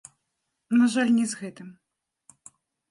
На жаль, не з гэтым.